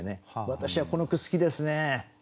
私はこの句好きですね。